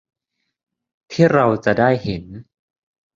ที่เราจะได้เห็น